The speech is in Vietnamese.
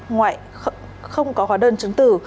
ngoại không có hóa đơn chứng tư